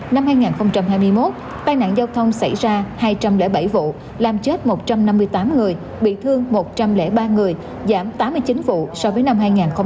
năm hai nghìn hai mươi một tai nạn giao thông xảy ra hai trăm linh bảy vụ làm chết một trăm năm mươi tám người bị thương một trăm linh ba người giảm tám mươi chín vụ so với năm hai nghìn hai mươi hai